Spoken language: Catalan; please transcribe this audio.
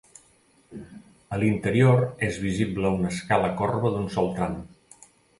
A l'interior és visible una escala corba d'un sol tram.